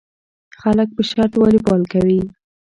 خلک په شرط والیبال کوي.